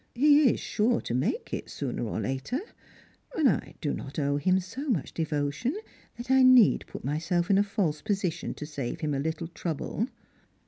He is sure to make it, sooner or later, and I do not owe him so much devotion that I need put myself in a false position to save him a little trouble."